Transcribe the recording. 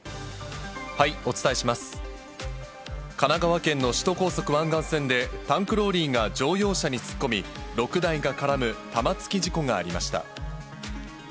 神奈川県の首都高速湾岸線でタンクローリーが乗用車に突っ込み６台が絡む玉突き事故がありました。